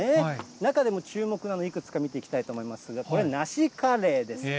中でも注目なの、いくつか見ていきたいと思いますが、これ、梨カレーです。